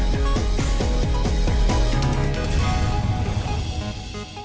mengurangi kekhawatiran tentang pasar iklan yang melambat